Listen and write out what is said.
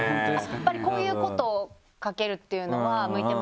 やっぱりこういうことを書けるっていうのは向いてますか？